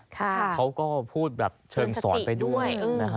เขาก็พูดแบบเชิงสอนไปด้วยนะฮะ